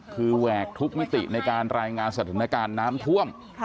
คือแหวกทุกมิติในการรายงานสถานการณ์น้ำท่วม